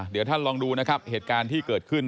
เดี๋ยวท่านลองดูนะครับเหตุการณ์ที่เกิดขึ้น